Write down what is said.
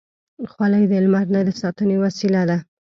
خولۍ د لمر نه د ساتنې وسیله ده.